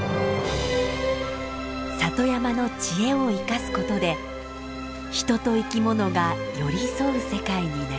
里山の知恵を生かすことで人と生き物が寄り添う世界になりました。